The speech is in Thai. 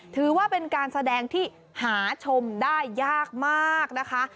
ถือว่าเป็นการแสดงที่หาชมได้ยากมากนะคะ